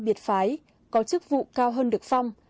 biệt phái có chức vụ cao hơn được phong